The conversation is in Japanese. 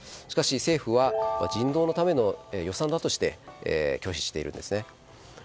しかし政府は人道のための予算だとして拒否しているんですね。